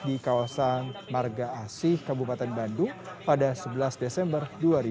di kawasan marga asih kabupaten bandung pada sebelas desember dua ribu dua puluh